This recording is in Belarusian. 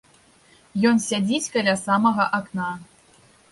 Ён сядзіць каля самага акна.